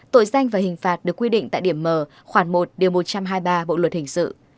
tội danh và hình phạt được quy định tại điểm mở khoảng một điều một trăm hai mươi ba bộ luật hình sự